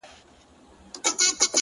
زما چي ځي تر ډېره ښوروي لاسونه!!